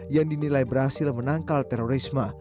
yang dinilai berhasil menangkal terorisme